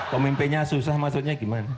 pemimpinnya susah maksudnya gimana